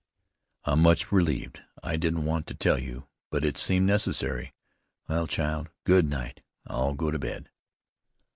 "I'm much relieved. I didn't want to tell you; but it seemed necessary. Well, child, good night, I'll go to bed."